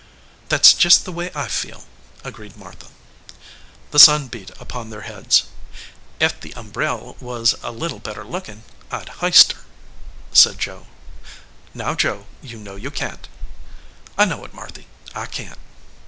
"That s just the way I feel," agreed Martha. The sun beat upon their heads. "Ef the umbrell was a little better lookin I d h ist her," said Joe. "Now, Joe, you know you can t." "I know it, Marthy. I can t."